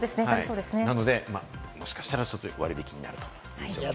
なので、もしかしたら割引になるという情報です。